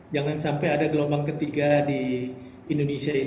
jangan sampai ada gelombang ketiga di indonesia ini